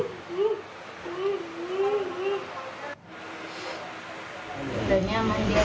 kasihan terbaiknya dari polisi yang